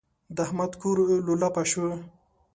د احمد کور لولپه شو.